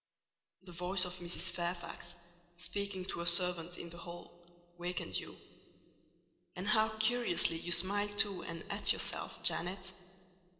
The voice of Mrs. Fairfax, speaking to a servant in the hall, wakened you: and how curiously you smiled to and at yourself, Janet!